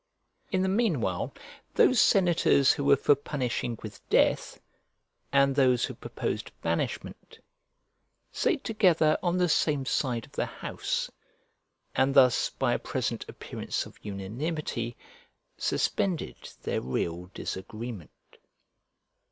In the meanwhile, those senators who were for punishing with death, and those who proposed banishment, sat together on the same side of the house: and thus by a present appearance of unanimity suspended their real disagreement.